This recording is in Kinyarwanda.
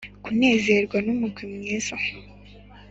kunezerwa n'umugwi mwiza.